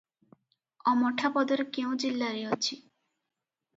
ଅମଠାପଦର କେଉଁ ଜିଲ୍ଲାରେ ଅଛି?